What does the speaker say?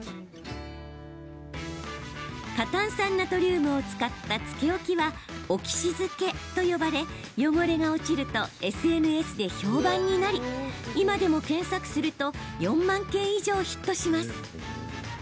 過炭酸ナトリウムを使ったつけ置きは、オキシ漬けと呼ばれ汚れが落ちるとＳＮＳで評判になり今でも検索すると４万件以上ヒットします。